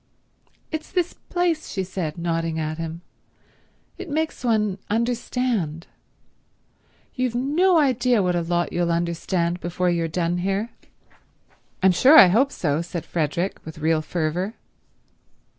"It's this place," she said, nodding at him. "It makes one understand. You've no idea what a lot you'll understand before you've done here." "I'm sure I hope so," said Frederick with real fervour.